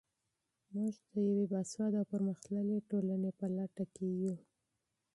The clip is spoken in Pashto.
موږ د یوې باسواده او پرمختللې ټولنې په لټه کې یو.